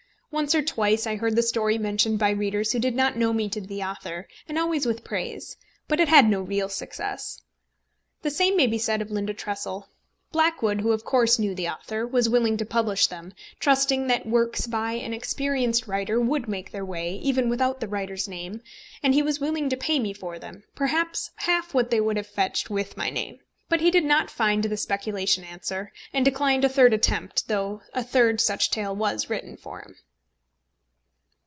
Once or twice I heard the story mentioned by readers who did not know me to be the author, and always with praise; but it had no real success. The same may be said of Linda Tressel. Blackwood, who of course knew the author, was willing to publish them, trusting that works by an experienced writer would make their way, even without the writer's name, and he was willing to pay me for them, perhaps half what they would have fetched with my name. But he did not find the speculation answer, and declined a third attempt, though a third such tale was written for him.